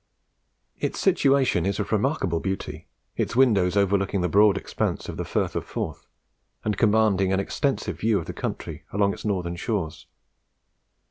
Its situation is of remarkable beauty, its windows overlooking the broad expanse of the Firth of Forth, and commanding an extensive view of the country along its northern shores.